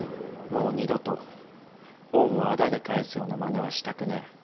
もう二度と恩をあだで返すようなまねはしたくねえ。